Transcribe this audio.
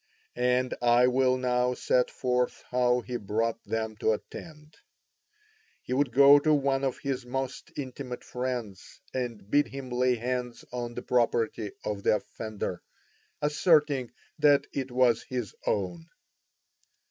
And I will now set forth how he brought them to attend. He would go to one of his most intimate friends and bid him lay hands on the property of the offender, asserting that it was his own.